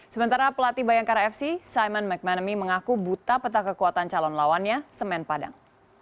sementara pelatih bayangkara fc simon mcmanamy mengaku buta peta kekuatan calon lawannya semen padang